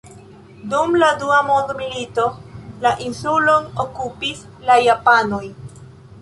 Dum la dua mondmilito, la insulon okupis la japanoj.